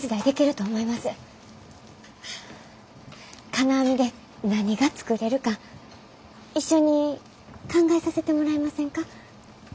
金網で何が作れるか一緒に考えさせてもらえませんか？